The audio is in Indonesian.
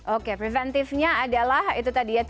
oke preventifnya adalah itu tadi ya